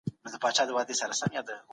په پلي مزل کې بې ځایه درد نه احساسېږي.